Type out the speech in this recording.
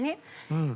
うん。